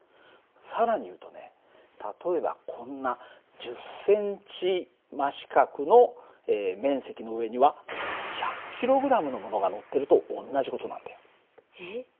更に言うとね例えばこんな１０センチ真四角の面積の上には１００ｋｇのものがのってると同じ事なんだよ。えっ？